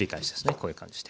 こういう感じで。